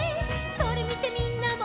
「それみてみんなも」